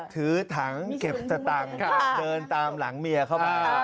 ถือถังเก็บสตังค์เดินตามหลังเมียเข้ามา